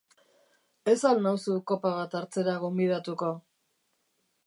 Ez al nauzu kopa bat hartzera gonbidatuko?